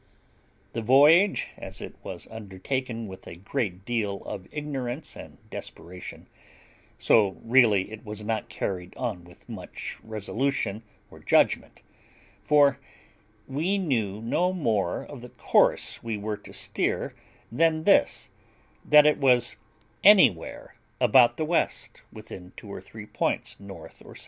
The voyage, as it was undertaken with a great deal of ignorance and desperation, so really it was not carried on with much resolution or judgment; for we knew no more of the course we were to steer than this, that it was anywhere about the west, within two or three points N. or S.